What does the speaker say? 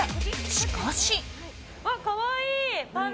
しかし。